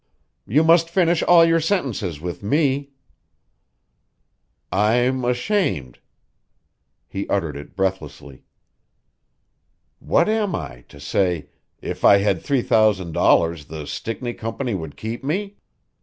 "You must finish all your sentences with me." "I'm ashamed." He uttered it breathlessly. "What am I, to say, 'If I had three thousand dollars the Stickney Company would keep me?'